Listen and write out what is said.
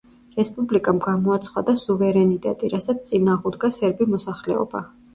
რესპუბლიკამ გამოაცხადა სუვერენიტეტი, რასაც წინ აღუდგა სერბი მოსახლეობა.